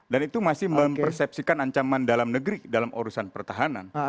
dan itu masih mempersepsikan ancaman dalam negeri dalam urusan pertahanan